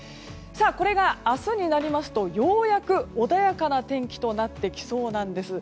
これが明日になりますとようやく穏やかな天気となってきそうなんです。